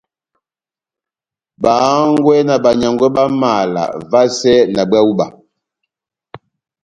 Bá hángwɛ́ na banyángwɛ bá mala vasɛ na búwa hú iba